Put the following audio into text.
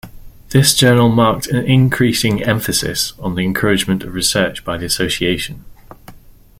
This journal marked an increasing emphasis on the encouragement of research by the Association.